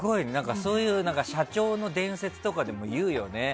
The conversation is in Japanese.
そういう社長の伝説とかでも言うよね。